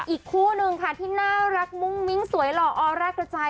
อีกคู่นึงค่ะที่น่ารักมุ้งมิ้งสวยหล่อออร่ากระจาย